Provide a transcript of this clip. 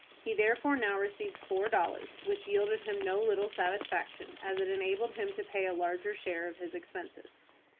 He therefore now received four dollars, which yielded him no little satisfaction, as it enabled him to pay a larger share of his expenses.